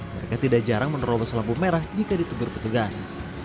mereka tidak jarang menerobos lampu merah jika ditegur petugas